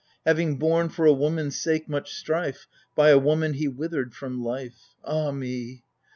Having borne, for a woman's sake, much strife — By a woman he withered from life ! Ah me